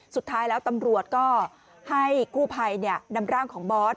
สุดท้ายแล้วตำรวจก็ให้กู้ภัยนำร่างของบอส